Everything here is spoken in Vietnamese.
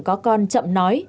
có con chậm nói